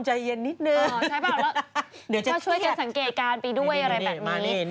ใช่เปล่าช่วยการสังเกตการณ์ไปด้วยอะไรแบบนี้